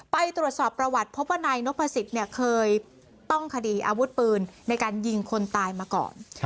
ไปตรวจสอบประวัติพบว่านายนพสิทธิ์เคยต้องคดีอาวุธปืนในการยิงคนตายมาก่อน